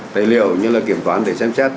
tài liệu như là kiểm toán để xem xét